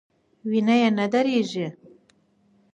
وینه یې نه دریږي.